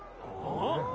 あっ？